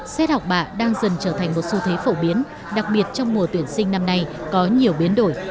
xét học bạ đang dần trở thành một xu thế phổ biến đặc biệt trong mùa tuyển sinh năm nay có nhiều biến đổi